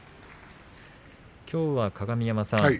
きょうは鏡山さん